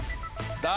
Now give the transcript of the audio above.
誰？